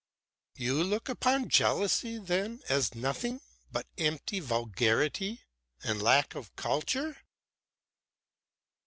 "You look upon jealousy, then, as nothing but empty vulgarity and lack of culture."